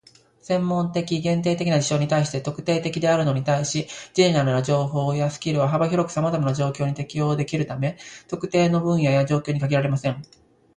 専門的、限定的な事象に対して「特定的」であるのに対し、"general" な情報やスキルは幅広くさまざまな状況に応用できるため、特定の分野や状況に限られません。